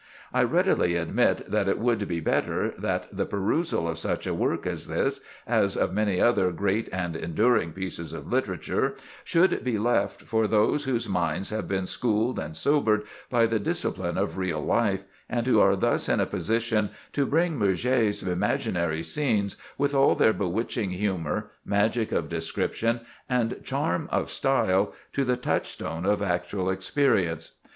I readily admit that it would be better that the perusal of such a work as this, as of many other great and enduring pieces of literature, should be left for those whose minds have been schooled and sobered by the discipline of real life, and who are thus in a position to bring Murger's imaginary scenes, with all their bewitching humor, magic of description, and charm of style, to the touchstone of actual experience.